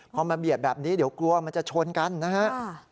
พอมาเบียดแบบนี้เดี๋ยวกลัวมันจะชนกันนะฮะ